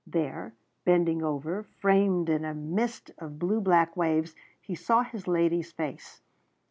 There, bending over, framed in a mist of blue black waves, he saw his lady's face.